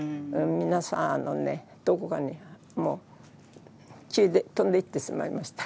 皆さん、どこかに飛んでいってしまいました。